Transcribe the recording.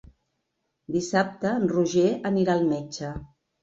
Dissabte en Roger anirà al metge.